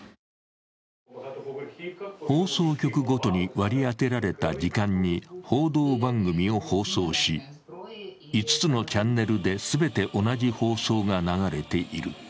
放送局ごとに割り当てられた時間に報道番組を放送し、５つのチャンネルで全て同じ放送が流れている。